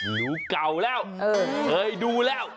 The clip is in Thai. หนูเก่าแล้วเคยดูแล้ว